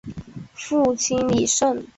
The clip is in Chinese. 父亲李晟。